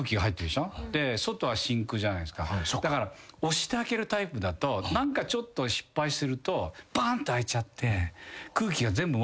だから押して開けるタイプだとちょっと失敗するとバンッて開いちゃって。